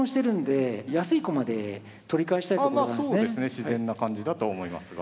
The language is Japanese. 自然な感じだと思いますが。